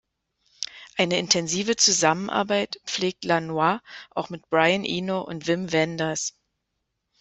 Eine intensive Zusammenarbeit pflegt Lanois auch mit Brian Eno und Wim Wenders.